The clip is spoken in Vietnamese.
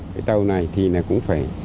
cái tàu này thì cũng phải